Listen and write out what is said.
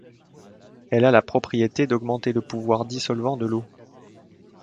Elle a la propriété d'augmenter le pouvoir dissolvant de l'eau.